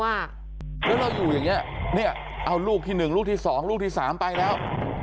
แล้วเราอยู่อย่างนี้เอาลูกที่หนึ่งลูกที่สองลูกที่สามไปแล้ว